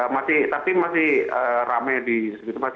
masih tapi masih ramai di situ